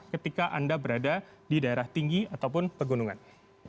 ketika anda berada di daerah tinggi ataupun pegunungan